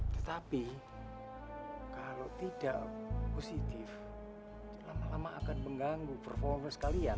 tetapi kalau tidak positif lama lama akan mengganggu performer sekalian